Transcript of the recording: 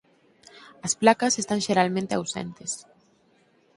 As placas están xeralmente ausentes.